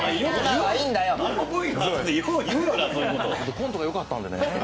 コントがよかったんでね。